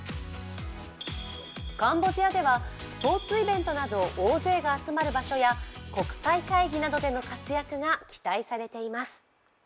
カンボジアではスポ−ツイベントなど大勢が集まる場所や国際会議などでの活躍が期待されています。